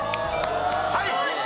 はい。